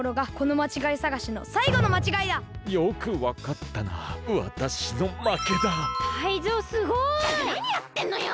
ったくなにやってんのよ！